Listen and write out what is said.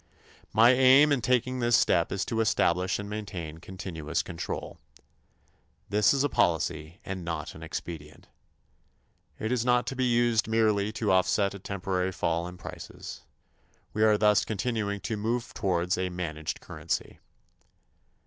My aim in taking this step is to establish and maintain continuous control. This is a policy and not an expedient. It is not to be used merely to offset a temporary fall in prices. We are thus continuing to move towards a managed currency.